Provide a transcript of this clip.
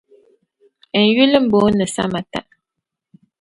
N yuli m-booni Samata.